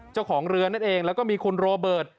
เจ้าของเรือนั่นเองแล้วก็มีคุณโรเบิร์ต